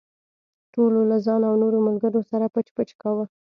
ټولو له ځان او نورو ملګرو سره پچ پچ کاوه.